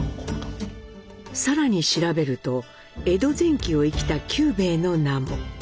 更に調べると江戸前期を生きた九兵衛の名も。